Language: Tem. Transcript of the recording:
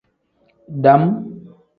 Dam.